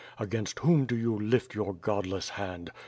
Against whom do you lift your Godless hand?